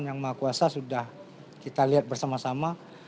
yang maha kuasa sudah kita lihat bersama sama